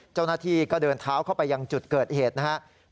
เจ้าหน้าที่ก็เดินเท้าเข้าไปยังจุดเกิดเหตุนะครับ